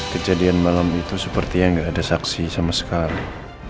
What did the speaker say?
kejadian malam itu seperti yang gak ada saksi sama sekali